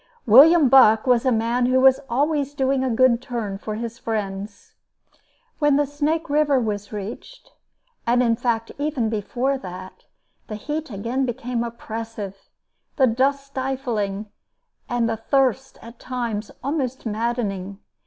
William Buck was a man who was always doing a good turn for his friends. When Snake River was reached, and in fact even before that, the heat again became oppressive, the dust stifling, and the thirst at times almost maddening.